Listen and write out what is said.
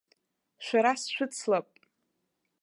Шәара сшәыцлап.